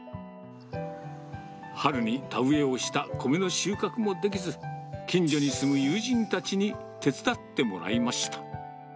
春に田植えをした米の収穫もできず、近所に住む友人たちに手伝ってもらいました。